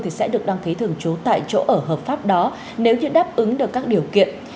thì sẽ được đăng ký thường trú tại chỗ ở hợp pháp đó nếu như đáp ứng được các điều kiện